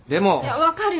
分かるよ